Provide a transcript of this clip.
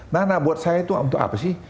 nana buat saya itu untuk apa sih